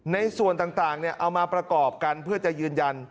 ในส่วนต่างเอามาประกอบกันเพื่อจะยืนยัน